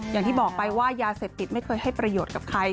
อย่างที่บอกไปว่ายาเสพติดไม่เคยให้ประโยชน์กับใคร